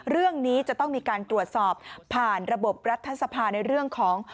เรื่องนี้จะต้องมีการตรวจสอบผ่านระบบรัฐสภาในเรื่องของ